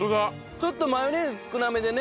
ちょっとマヨネーズ少なめでね。